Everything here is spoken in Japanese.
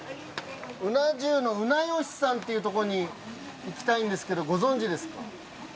うな重のうなよしさんっていうとこに行きたいんですけどご存じですか？